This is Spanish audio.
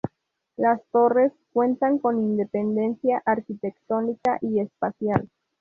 Las torres cuentan con independencia arquitectónica y espacial.